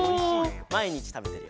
まいにちたべてるよ。